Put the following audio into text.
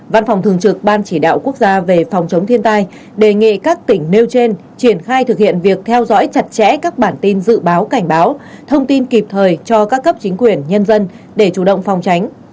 văn phòng thường trực ban chỉ đạo quốc gia về phòng chống thiên tai đề nghị các tỉnh nêu trên triển khai thực hiện việc theo dõi chặt chẽ các bản tin dự báo cảnh báo thông tin kịp thời cho các cấp chính quyền nhân dân để chủ động phòng tránh